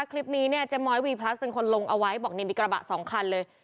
คลิปนี้เนี่ยเจ๊ม้อยวีพลัสเป็นคนลงเอาไว้บอกนี่มีกระบะสองคันเลย